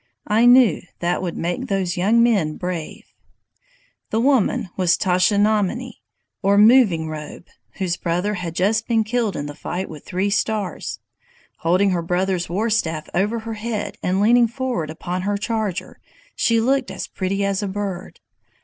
I knew that would make those young men brave. "The woman was Tashenamani, or Moving Robe, whose brother had just been killed in the fight with Three Stars. Holding her brother's war staff over her head, and leaning forward upon her charger, she looked as pretty as a bird.